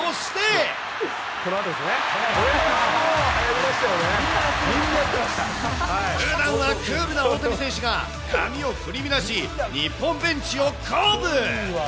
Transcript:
このあとですね。ふだんはクールな大谷選手が、髪を振り乱し、日本ベンチを鼓舞。